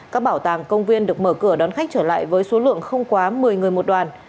các bảo tàng công viên được mở cửa đón khách trở lại với số lượng không quá một mươi người một đoàn